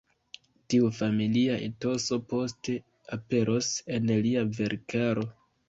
Tiu familia etoso poste aperos en lia verkaro.